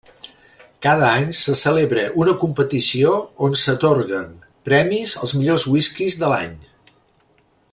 Cada any se celebra una competició on s'atorguen premis als millors whiskies de l'any.